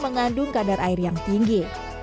mengandung kadar air yang tinggi